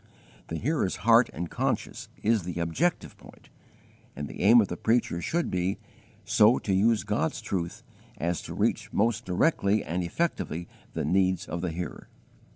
The hearer's heart and conscience is the objective point, and the aim of the preacher should be, so to use God's truth as to reach most directly and effectively the needs of the hearer.